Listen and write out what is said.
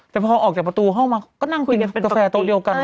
แต่พอออกจากประตูห้องมาก็นั่งคุยกันเป็นกาแฟโต๊ะเดียวกัน